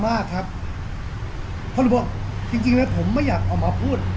มากครับพอคุณบอกจริงนะผมไม่อยากออกมาพูด